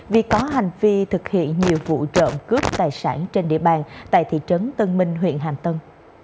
vì có hành vi thực hiện nhiều vụ trộm cướp tài sản trên địa bàn tại thị trấn tân minh huyện hàm tân